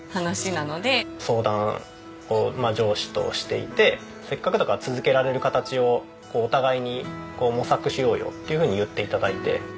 相談を上司としていてせっかくだから続けられる形をお互いに模索しようよっていうふうに言って頂いて。